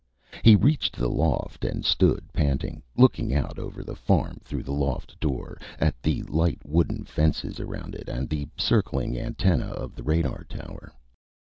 He reached the loft and stood panting, looking out over the farm through the loft door, at the light wooden fences around it, and the circling antenna of the radar tower.